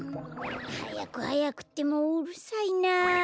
はやくはやくってもううるさいな。